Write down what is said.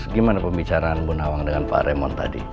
gimana pembicaraan bunawang dengan pak remon tadi